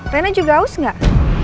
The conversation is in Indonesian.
rena juga haus gak